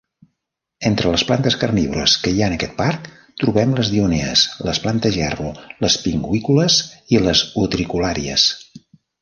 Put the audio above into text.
Entre les plantes carnívores que hi ha en aquest parc, trobem les dionees, les plantes gerro, les pingüícules i les utriculàries.